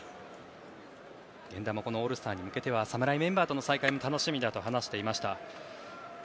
源田もオールスターに向けては侍メンバーとの再会も楽しみだと話していました。